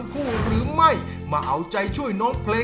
ดูเขาเล็ดดมชมเล่นด้วยใจเปิดเลิศ